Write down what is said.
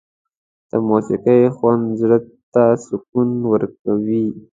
د موسيقۍ خوند زړه ته سکون ورکوي.